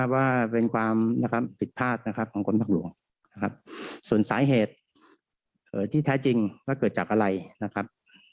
ว่าเป็นความผิดพลาดนะครับของกรมทางหลวงนะครับส่วนสาเหตุที่แท้จริงว่าเกิดจากอะไรนะครับ